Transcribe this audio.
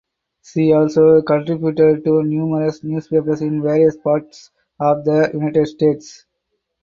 She also contributed to numerous newspapers in various parts of the United States.